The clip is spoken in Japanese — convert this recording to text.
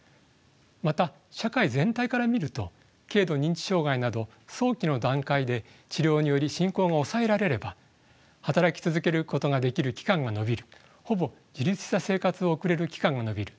また社会全体から見ると軽度認知障害など早期の段階で治療により進行が抑えられれば働き続けることができる期間が延びるほぼ自立した生活を送れる期間が延びる